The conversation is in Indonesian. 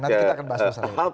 nanti kita akan bahas bersama